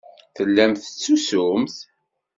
Tellamt tettusumt.